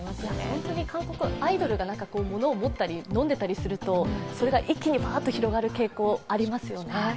本当に韓国アイドルが物を持ったり飲んでいたりするとそれが一気にばーっと広がる傾向、ありますよね。